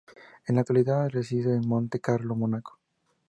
En la actualidad reside en Monte Carlo, Mónaco.